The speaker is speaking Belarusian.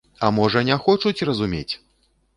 А можа не хочуць разумець!